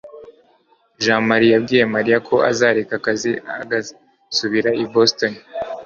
jamali yabwiye mariya ko azareka akazi agasubira i boston